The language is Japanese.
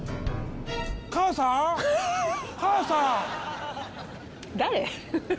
母さん母さん誰？